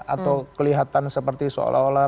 atau kelihatan seperti seolah olah